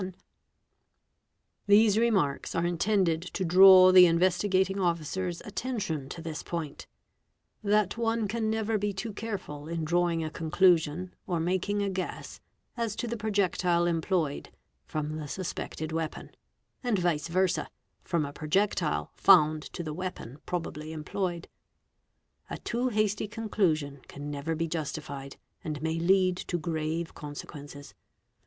SHOT GUNS . 415 These remarks are intended to draw the Investigating Officer's atten tion to this point: that one can never be too careful in drawing a conclusion or making a guess, as to the projectile employed, from the suspected weapon; and, vice versd, from a projectile found to the weapon probably 'employed. A too hasty conclusion can never be justified and may lead ORY ER Es RE ETS ARO ANAT EL TS APRN MAP OES CS ATED OLED A ae " to grave consequences.